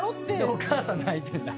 でお母さん泣いてんだ